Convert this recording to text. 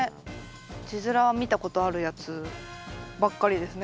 字面は見たことあるやつばっかりですね。